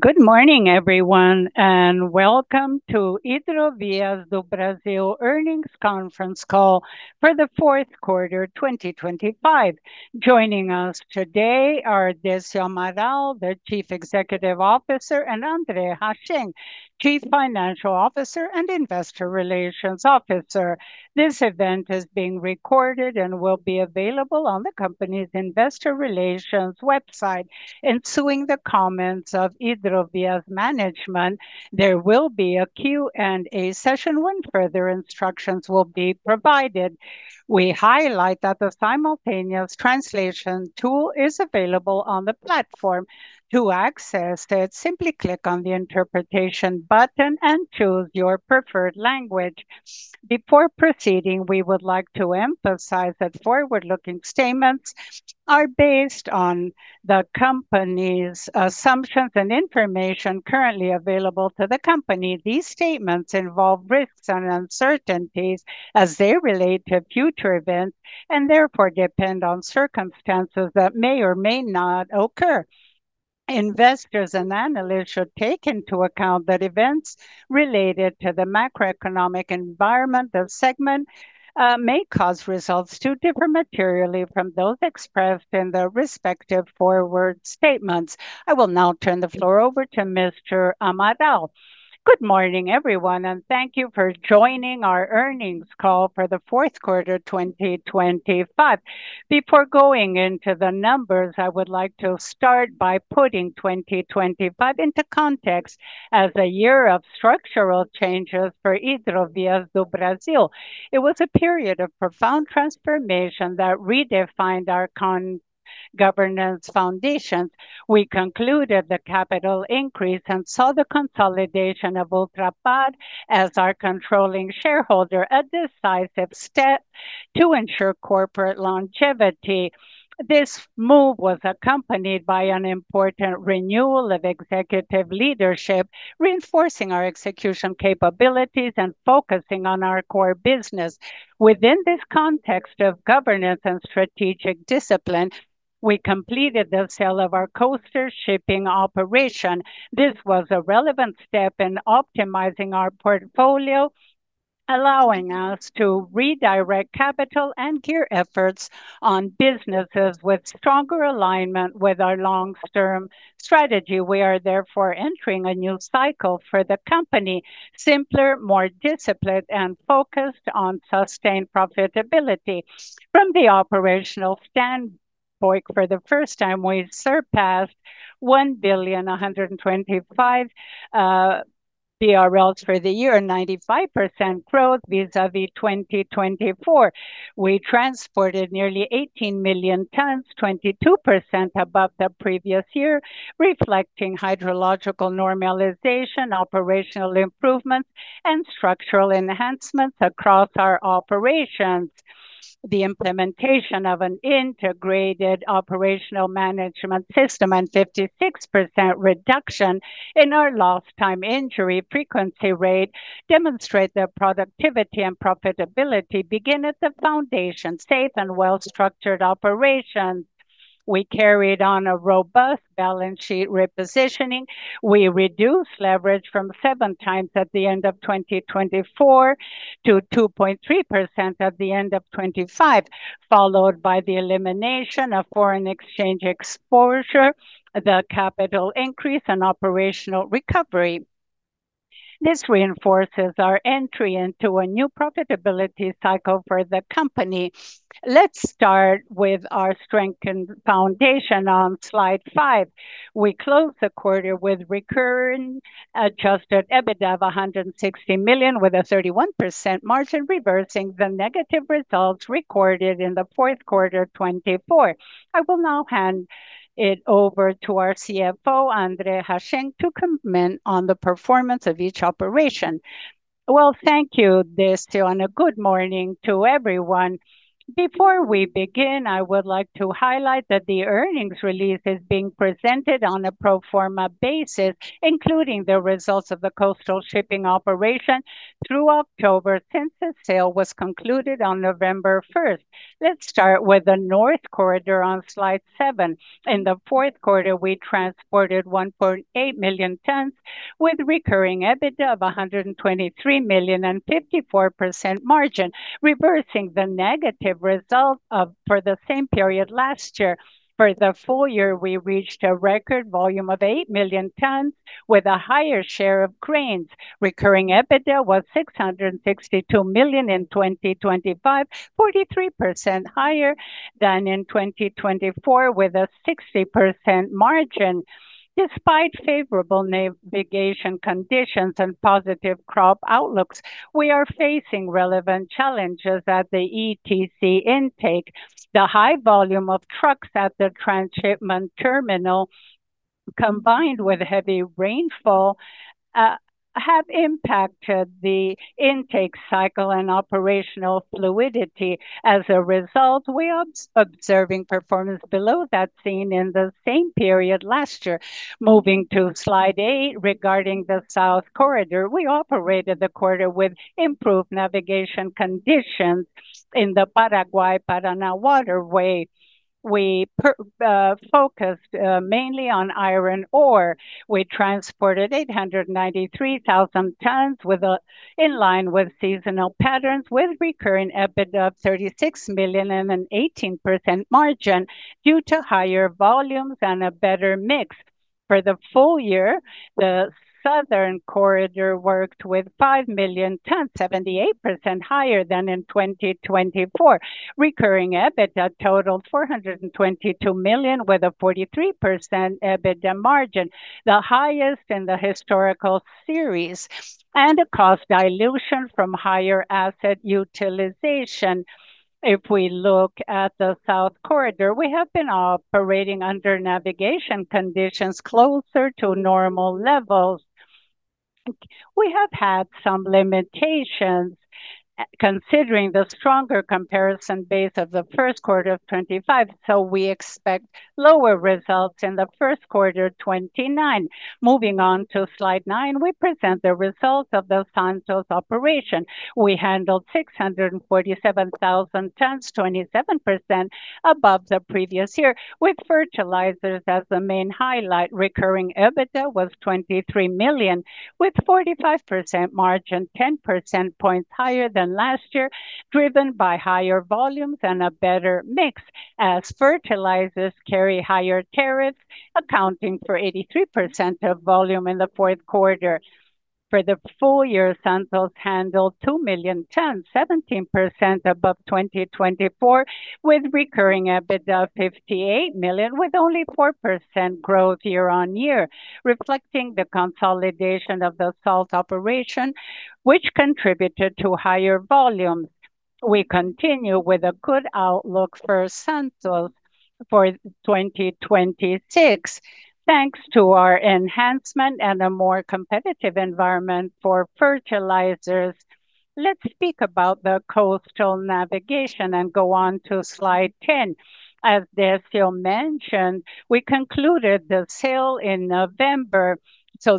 Good morning, everyone, welcome to Hidrovias do Brasil earnings conference call for the fourth quarter 2025. Joining us today are Décio Amaral, the Chief Executive Officer, and André Saleme Hachem, Chief Financial Officer and Investor Relations Officer. This event is being recorded and will be available on the company's investor relations website. Ensuing the comments of Hidrovias management, there will be a Q&A session when further instructions will be provided. We highlight that the simultaneous translation tool is available on the platform. To access it, simply click on the interpretation button and choose your preferred language. Before proceeding, we would like to emphasize that forward-looking statements are based on the company's assumptions and information currently available to the company. These statements involve risks and uncertainties as they relate to future events and therefore depend on circumstances that may or may not occur. Investors and analysts should take into account that events related to the macroeconomic environment of segment may cause results to differ materially from those expressed in the respective forward statements. I will now turn the floor over to Mr. Amaral. Good morning, everyone. Thank you for joining our earnings call for the fourth quarter 2025. Before going into the numbers, I would like to start by putting 2025 into context as a year of structural changes for Hidrovias do Brasil. It was a period of profound transformation that redefined our governance foundations. We concluded the capital increase and saw the consolidation of Ultrapar as our controlling shareholder, a decisive step to ensure corporate longevity. This move was accompanied by an important renewal of executive leadership, reinforcing our execution capabilities and focusing on our core business. Within this context of governance and strategic discipline, we completed the sale of our coaster shipping operation. This was a relevant step in optimizing our portfolio, allowing us to redirect capital and gear efforts on businesses with stronger alignment with our long-term strategy. We are entering a new cycle for the company, simpler, more disciplined, and focused on sustained profitability. From the operational standpoint, for the first time, we surpassed 1,000,000,025 BRL for the year, 95% growth vis-à-vis 2024. We transported nearly 18 million tons, 22% above the previous year, reflecting hydrological normalization, operational improvements, and structural enhancements across our operations. The implementation of an integrated operational management system and 56% reduction in our Lost Time Injury Frequency Rate demonstrate that productivity and profitability begin at the foundation, safe and well-structured operations. We carried on a robust balance sheet repositioning. We reduced leverage from 7x at the end of 2024 to 2.3% at the end of 2025, followed by the elimination of foreign exchange exposure, the capital increase and operational recovery. This reinforces our entry into a new profitability cycle for the company. Let's start with our strengthened foundation on slide 5. We closed the quarter with recurring adjusted EBITDA of 160 million, with a 31% margin, reversing the negative results recorded in Q4 2024. I will now hand it over to our CFO, André Hachem, to comment on the performance of each operation. Thank you, Décio, and good morning to everyone. Before we begin, I would like to highlight that the earnings release is being presented on a pro forma basis, including the results of the coastal shipping operation through October, since the sale was concluded on November 1st. Let's start with the North Corridor on slide 7. In the fourth quarter, we transported 1.8 million tons with recurring EBITDA of 123 million and 54% margin, reversing the negative result for the same period last year. For the full year, we reached a record volume of 8 million tons with a higher share of grains. Recurring EBITDA was 662 million in 2025, 43% higher than in 2024 with a 60% margin. Despite favorable navigation conditions and positive crop outlooks, we are facing relevant challenges at the ETC intake. The high volume of trucks at the transshipment terminal, combined with heavy rainfall, have impacted the intake cycle and operational fluidity. As a result, we are observing performance below that seen in the same period last year. Moving to slide 8, regarding the Southern Corridor, we operated the quarter with improved navigation conditions in the Paraguay-Paraná Waterway. We focused mainly on iron ore. We transported 893,000 tons in line with seasonal patterns, with recurring EBITDA of 36 million and an 18% margin due to higher volumes and a better mix. For the full year, the Southern Corridor worked with 5 million tons, 78% higher than in 2024. Recurring EBITDA totaled 422 million, with a 43% EBITDA margin, the highest in the historical series, and a cost dilution from higher asset utilization. If we look at the South Corridor, we have been operating under navigation conditions closer to normal levels. We have had some limitations, considering the stronger comparison base of the first quarter of 25, we expect lower results in the first quarter 29. Moving on to slide 9, we present the results of the Santos operation. We handled 647,000 tons, 27% above the previous year, with fertilizers as the main highlight. Recurring EBITDA was 23 million, with 45% margin, 10 percentage points higher than last year, driven by higher volumes and a better mix as fertilizers carry higher tariffs, accounting for 83% of volume in the fourth quarter. For the full year, Santos handled 2 million tons, 17% above 2024, with recurring EBITDA of 58 million, with only 4% growth year-over-year, reflecting the consolidation of the salt operation, which contributed to higher volumes. We continue with a good outlook for Santos for 2026, thanks to our enhancement and a more competitive environment for fertilizers. Let's speak about the coastal navigation and go on to slide 10. As Décio mentioned, we concluded the sale in November.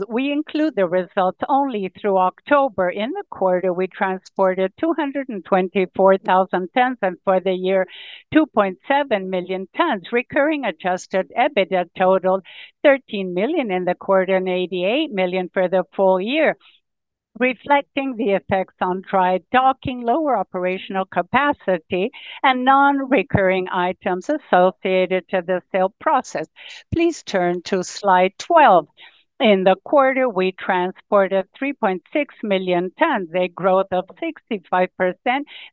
We include the results only through October. In the quarter, we transported 224,000 tons. For the year, 2.7 million tons. Recurring adjusted EBITDA totaled 13 million in the quarter and 88 million for the full year. Reflecting the effects on dry docking, lower operational capacity, and non-recurring items associated to the sale process. Please turn to slide 12. In the quarter, we transported 3.6 million tons, a growth of 65%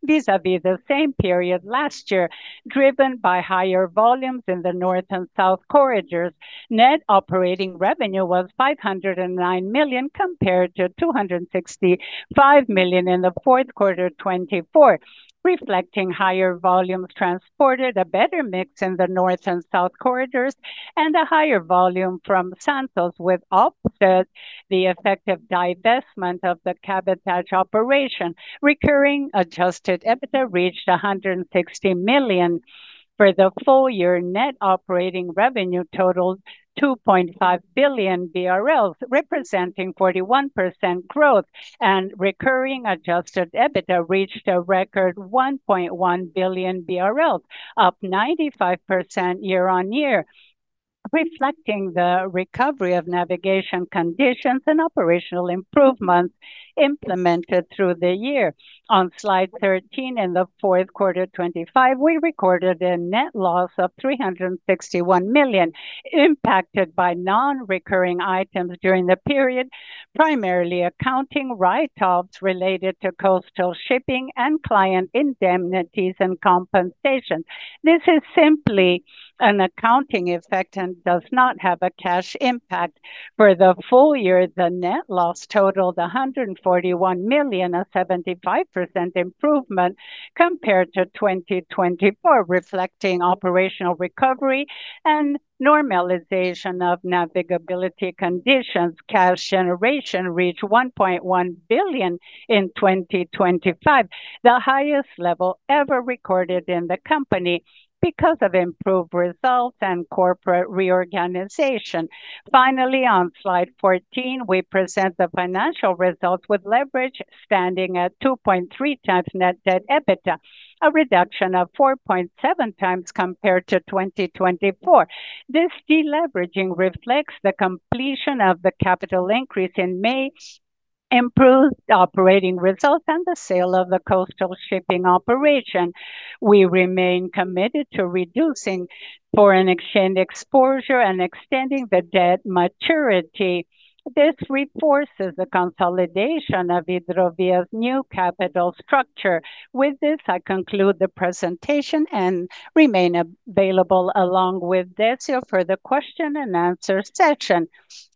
vis-à-vis the same period last year, driven by higher volumes in the North and South Corridors. Net operating revenue was 509 million compared to 265 million in the fourth quarter 2024, reflecting higher volumes transported, a better mix in the North and South Corridors, and a higher volume from Santos, which offset the effect of divestment of the Cabotage operation. Recurring adjusted EBITDA reached 160 million. For the full year, net operating revenue totaled 2.5 billion BRL, representing 41% growth, recurring adjusted EBITDA reached a record 1.1 billion BRL, up 95% year-on-year, reflecting the recovery of navigation conditions and operational improvements implemented through the year. On slide 13, in the fourth quarter 2025, we recorded a net loss of 361 million, impacted by non-recurring items during the period, primarily accounting write-offs related to coastal shipping and client indemnities and compensation. This is simply an accounting effect and does not have a cash impact. For the full year, the net loss totaled 141 million, a 75% improvement compared to 2024, reflecting operational recovery and normalization of navigability conditions. Cash generation reached 1.1 billion in 2025, the highest level ever recorded in the company because of improved results and corporate reorganization. Finally, on slide 14, we present the financial results with leverage standing at 2.3x Net Debt to EBITDA, a reduction of 4.7x compared to 2024. This deleveraging reflects the completion of the capital increase in May, improved operating results, and the sale of the coastal shipping operation. We remain committed to reducing foreign exchange exposure and extending the debt maturity. This reinforces the consolidation of Hidrovias' new capital structure. With this, I conclude the presentation and remain available along with Décio for the question and answer session.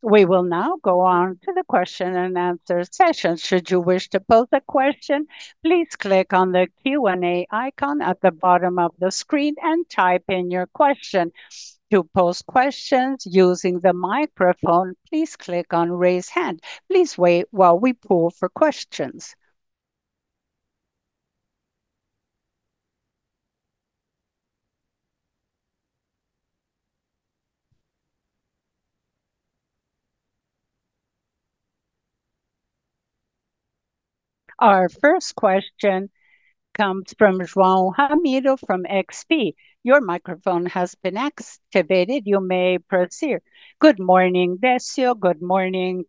We will now go on to the question and answer session. Should you wish to pose a question, please click on the Q&A icon at the bottom of the screen and type in your question. To pose questions using the microphone, please click on Raise Hand. Please wait while we poll for questions. Our first question comes from João Ramiro from XP. Your microphone has been activated. You may proceed. Good morning, Décio. Good morning,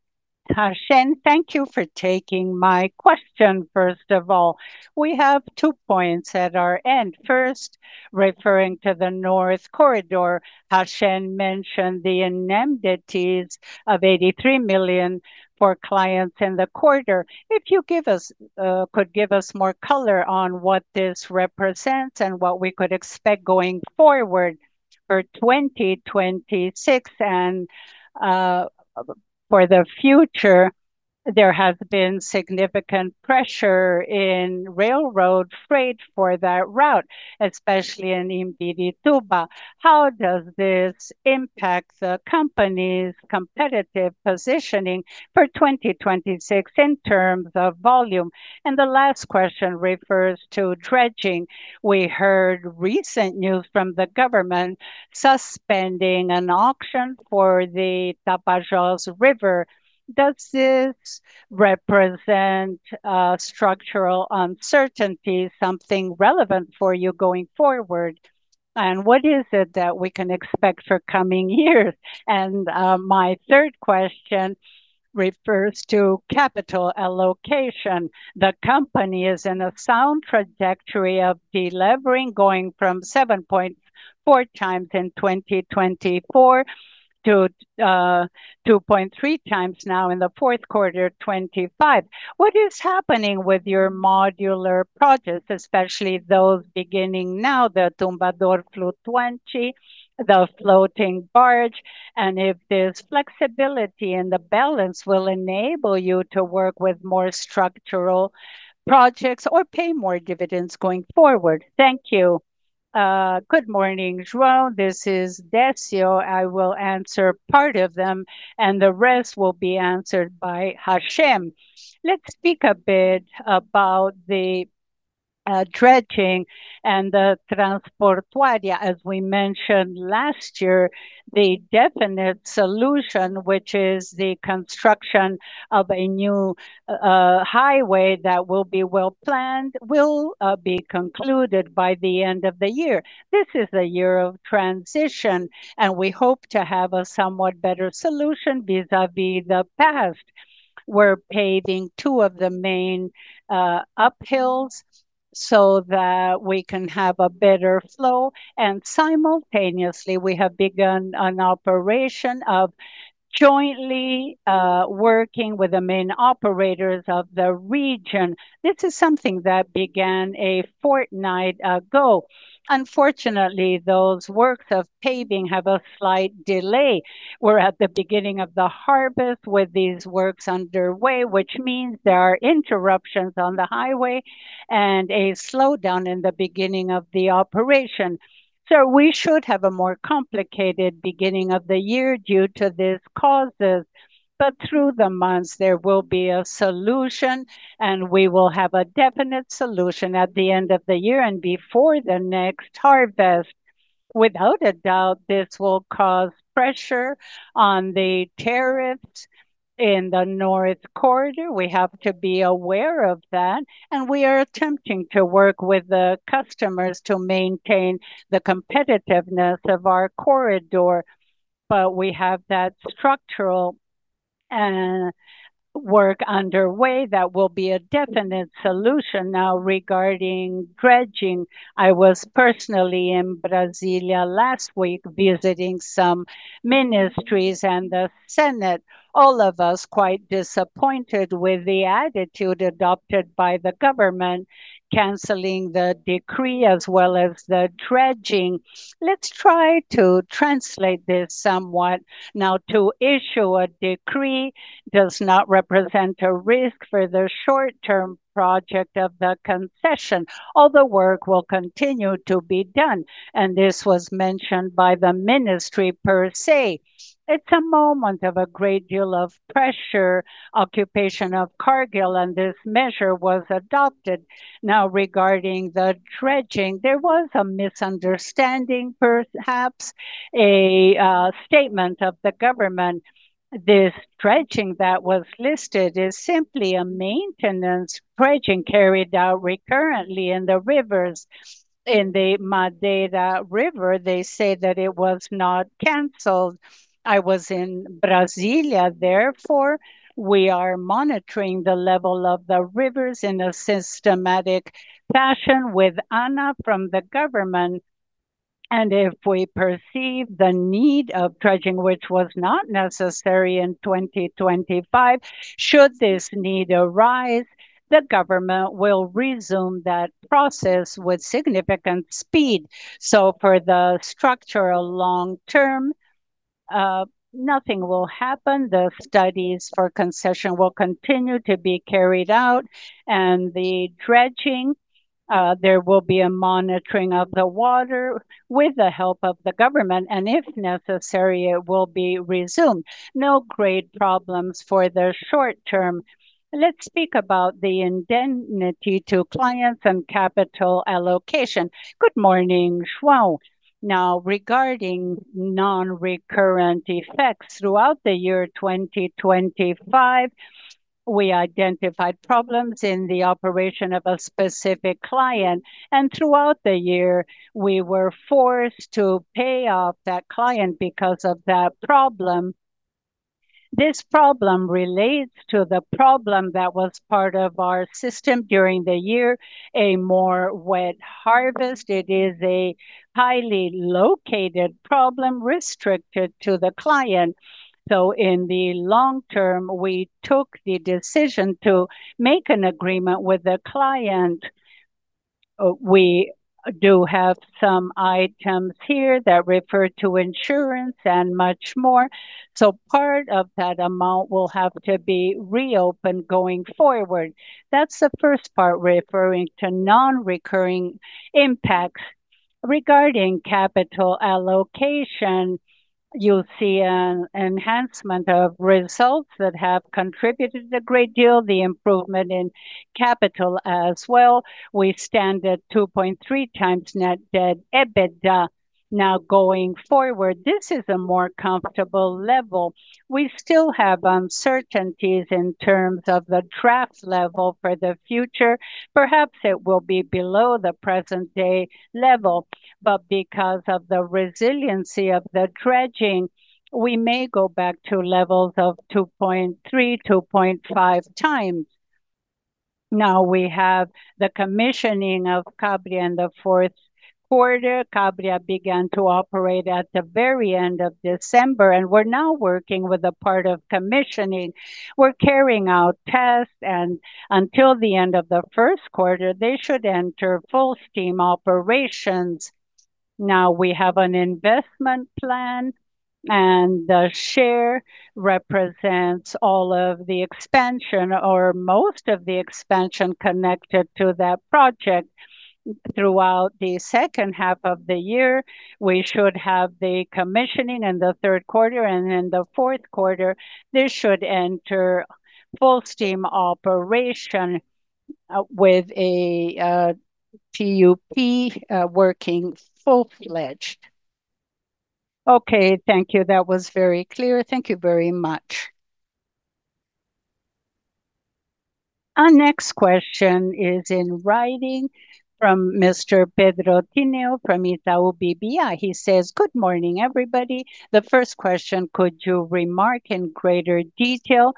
Hachem. Thank you for taking my question, first of all. We have two points at our end. First, referring to the North Corridor, Hachem mentioned the indemnities of 83 million for clients in the quarter. If you give us, could give us more color on what this represents and what we could expect going forward for 2026 and for the future, there has been significant pressure in railroad freight for that route, especially in Imbituba. How does this impact the company's competitive positioning for 2026 in terms of volume? The last question refers to dredging. We heard recent news from the government suspending an auction for the Tapajós River. Does this represent structural uncertainty, something relevant for you going forward? What is it that we can expect for coming years? My third question refers to capital allocation. The company is in a sound trajectory of delevering, going from 7.4 times in 2024 to 2.3 times now in the fourth quarter 2025. What is happening with your modular projects, especially those beginning now, the Tumbador flu 20, the floating barge, and if this flexibility and the balance will enable you to work with more structural projects or pay more dividends going forward? Thank you. Good morning, João. This is Décio. I will answer part of them and the rest will be answered by Hachem. Let's speak a bit about the dredging and the Transportadia. As we mentioned last year, the definite solution, which is the construction of a new highway that will be well-planned, will be concluded by the end of the year. This is a year of transition. We hope to have a somewhat better solution vis-à-vis the past. We're paving two of the main uphills so that we can have a better flow. Simultaneously, we have begun an operation of jointly working with the main operators of the region. This is something that began a fortnight ago. Unfortunately, those works of paving have a slight delay. We're at the beginning of the harvest with these works underway, which means there are interruptions on the highway and a slowdown in the beginning of the operation. We should have a more complicated beginning of the year due to these causes. Through the months, there will be a solution, and we will have a definite solution at the end of the year and before the next harvest. Without a doubt, this will cause pressure on the tariffs in the North Corridor. We have to be aware of that. We are attempting to work with the customers to maintain the competitiveness of our corridor. We have that structural work underway that will be a definite solution. Regarding dredging, I was personally in Brasília last week visiting some ministries and the Senate, all of us quite disappointed with the attitude adopted by the government, canceling the decree as well as the dredging. Let's try to translate this somewhat. To issue a decree does not represent a risk for the short-term project of the concession. All the work will continue to be done, and this was mentioned by the ministry per se. It's a moment of a great deal of pressure, occupation of Cargill, and this measure was adopted. Regarding the dredging, there was a misunderstanding, perhaps, a statement of the government. This dredging that was listed is simply a maintenance dredging carried out recurrently in the rivers. In the Madeira River, they say that it was not canceled. I was in Brasília, therefore, we are monitoring the level of the rivers in a systematic fashion with ANA from the government. If we perceive the need of dredging, which was not necessary in 2025, should this need arise, the government will resume that process with significant speed. For the structural long term, nothing will happen. The studies for concession will continue to be carried out, and the dredging, there will be a monitoring of the water with the help of the government, and if necessary, it will be resumed. No great problems for the short term. Let's speak about the indemnity to clients and capital allocation. Good morning, João. Regarding non-recurrent effects throughout the year 2025. We identified problems in the operation of a specific client, and throughout the year, we were forced to pay off that client because of that problem. This problem relates to the problem that was part of our system during the year, a more wet harvest. It is a highly located problem restricted to the client. In the long term, we took the decision to make an agreement with the client. We do have some items here that refer to insurance and much more. Part of that amount will have to be reopened going forward. That's the first part referring to non-recurring impacts. Regarding capital allocation, you'll see an enhancement of results that have contributed a great deal, the improvement in capital as well. We stand at 2.3 times Net Debt to EBITDA. Going forward, this is a more comfortable level. We still have uncertainties in terms of the draft level for the future. Perhaps it will be below the present-day level. Because of the resiliency of the dredging, we may go back to levels of 2.3, 2.5 times. We have the commissioning of Cabria in the fourth quarter. Cabria began to operate at the very end of December, and we're now working with a part of commissioning. We're carrying out tests, and until the end of the first quarter, they should enter full-steam operations. We have an investment plan, and the share represents all of the expansion or most of the expansion connected to that project. Throughout the second half of the year, we should have the commissioning in the third quarter. In the fourth quarter, this should enter full-steam operation with a TUP working full-fledged. Okay. Thank you. That was very clear. Thank you very much. Our next question is in writing from Mr. Pedro Bruno from Itaú BBA. He says, "Good morning, everybody. The first question, could you remark in greater detail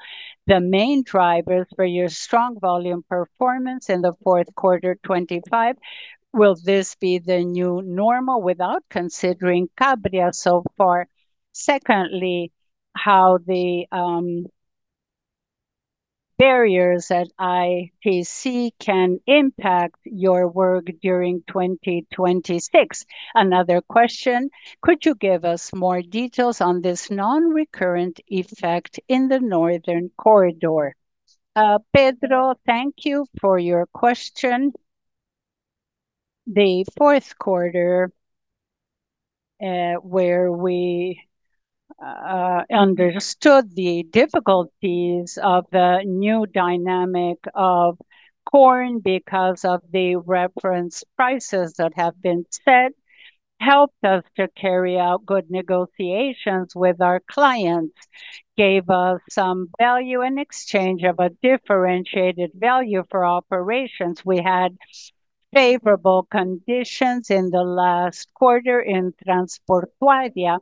the main drivers for your strong volume performance in the fourth quarter 2025? Will this be the new normal without considering Cabria so far? Secondly, how the barriers at IPC can impact your work during 2026? Another question, could you give us more details on this non-recurrent effect in the Northern Corridor?" Pedro, thank you for your question. The fourth quarter, where we understood the difficulties of the new dynamic of corn because of the reference prices that have been set, helped us to carry out good negotiations with our clients, gave us some value in exchange of a differentiated value for operations. We had favorable conditions in the last quarter in Transport Guaya.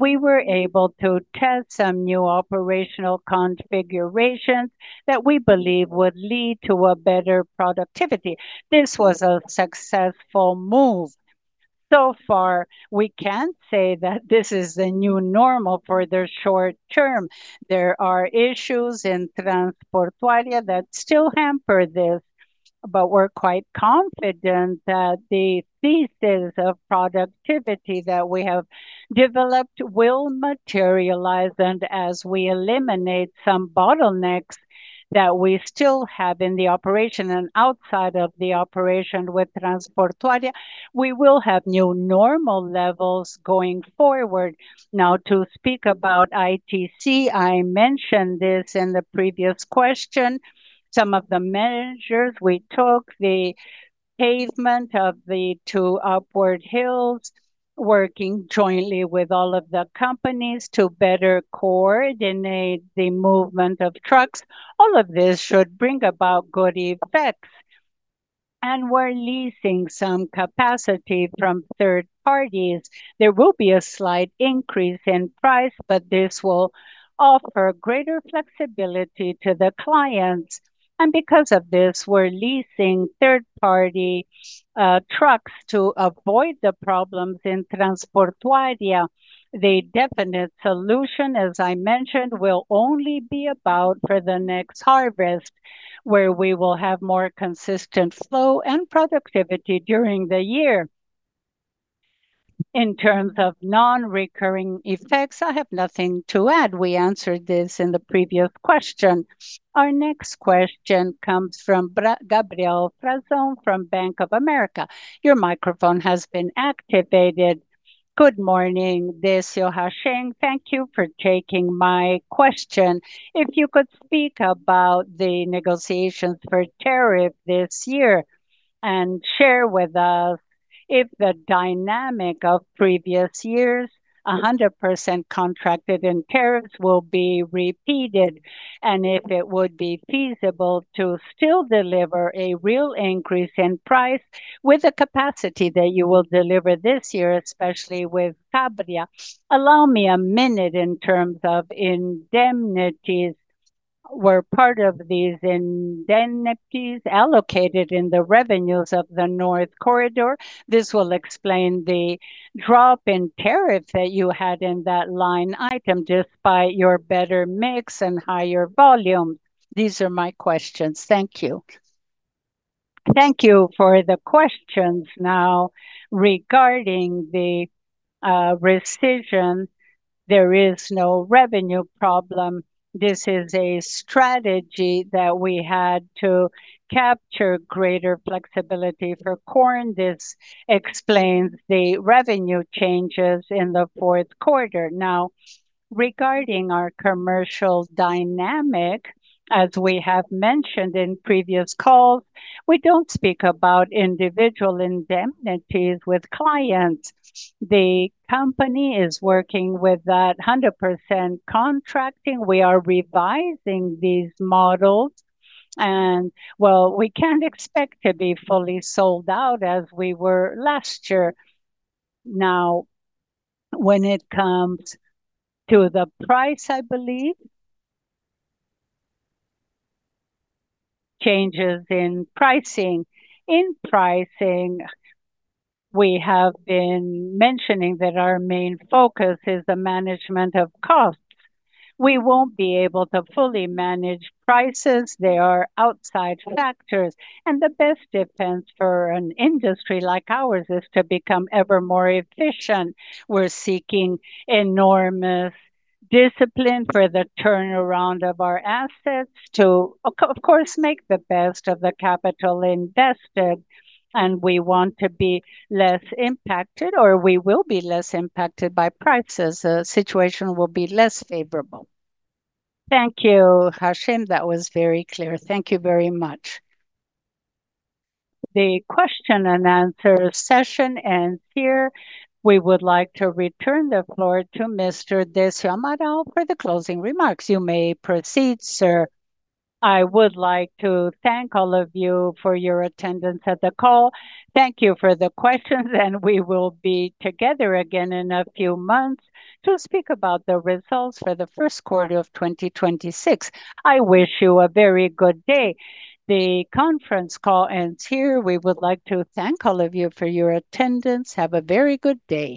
We were able to test some new operational configurations that we believe would lead to a better productivity. This was a successful move. So far, we can't say that this is the new normal for the short term. There are issues in Transport Guaya that still hamper this. We're quite confident that the thesis of productivity that we have developed will materialize. As we eliminate some bottlenecks that we still have in the operation and outside of the operation with Transportadia, we will have new normal levels going forward. To speak about ITC, I mentioned this in the previous question. Some of the measures we took, the pavement of the 2 upward hills, working jointly with all of the companies to better coordinate the movement of trucks. All of this should bring about good effects. We're leasing some capacity from third parties. There will be a slight increase in price. This will offer greater flexibility to the clients. Because of this, we're leasing third-party trucks to avoid the problems in Transportadia. The definite solution, as I mentioned, will only be about for the next harvest, where we will have more consistent flow and productivity during the year. In terms of non-recurring effects, I have nothing to add. We answered this in the previous question. Our next question comes from Gabriel Frazão from Bank of America. Your microphone has been activated. Good morning. This is Hashan. Thank you for taking my question. If you could speak about the negotiations for tariff this year and share with us if the dynamic of previous years, 100% contracted in tariffs will be repeated, and if it would be feasible to still deliver a real increase in price with the capacity that you will deliver this year, especially with Cabria. Allow me a minute in terms of indemnities. Were part of these indemnities allocated in the revenues of the North Corridor? This will explain the drop in tariff that you had in that line item just by your better mix and higher volume. These are my questions. Thank you. Thank you for the questions. Now, regarding the rescission, there is no revenue problem. This is a strategy that we had to capture greater flexibility for corn. This explains the revenue changes in the fourth quarter. Now, regarding our commercial dynamic, as we have mentioned in previous calls, we don't speak about individual indemnities with clients. The company is working with that 100% contracting. We are revising these models and Well, we can't expect to be fully sold out as we were last year. Now, when it comes to the price, I believe, changes in pricing. In pricing, we have been mentioning that our main focus is the management of costs. We won't be able to fully manage prices. They are outside factors, and the best defense for an industry like ours is to become ever more efficient. We're seeking enormous discipline for the turnaround of our assets to, of course, make the best of the capital invested, and we want to be less impacted, or we will be less impacted by prices. The situation will be less favorable. Thank you, Hachem. That was very clear. Thank you very much. The question and answer session ends here. We would like to return the floor to Mr. Décio Amaral for the closing remarks. You may proceed, sir. I would like to thank all of you for your attendance at the call. Thank you for the questions, and we will be together again in a few months to speak about the results for the first quarter of 2026. I wish you a very good day. The conference call ends here. We would like to thank all of you for your attendance. Have a very good day.